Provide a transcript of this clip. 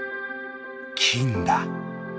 金だ。